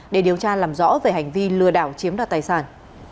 để điều tra làm rõ về hành vi lừa đảo chiếm đoạt tài sản